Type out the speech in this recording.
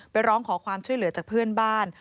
ร้องขอความช่วยเหลือจากเพื่อนบ้าน